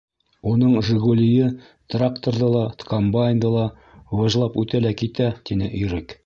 Уның «Жигули»йы тракторҙы ла, комбайнды ла выжлап үтә лә китә, тине Ирек.